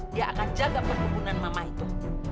dia akan jaga perkebunan mama itu